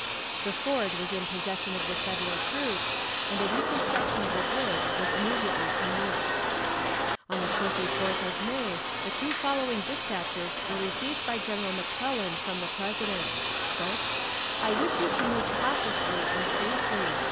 The ford was in possession of the federal troops, and a reconstruction of the bridge was immediately commenced. On the 24th of May the two following despatches were received by Gen. McClellan from the President: "I wish you to move cautiously and safely.